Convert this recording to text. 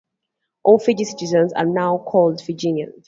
All Fiji citizens are now called 'Fijians'